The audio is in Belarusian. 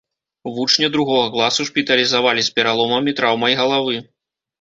Вучня другога класу шпіталізавалі з пераломам і траўмай галавы.